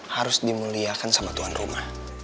harus dimuliakan sama tuan rumah